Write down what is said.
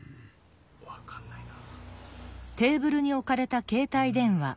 分かんないな。